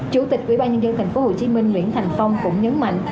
chủ tịch quỹ ban nhân dân thành phố hồ chí minh nguyễn thành phong cũng nhấn mạnh